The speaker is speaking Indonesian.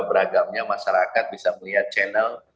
beragamnya masyarakat bisa melihat channel